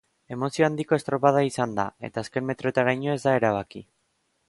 Emozio handiko estropada izan da, eta azken metroetaraino ez da erabaki.